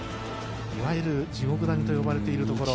いわゆる地獄谷と呼ばれているところ。